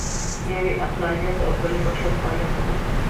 یو یې عقلانیت او بل یې بشرپالنه ده.